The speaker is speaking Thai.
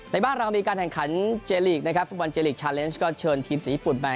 ในบ้านเราก็มีการแห่งขันเจลลีกนะครับฝุ่นเจลลีกชัลเลนซ์ก็เชิญทีมจากญี่ปุ่นมา